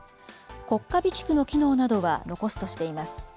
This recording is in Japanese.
国家備蓄の機能などは残すとしています。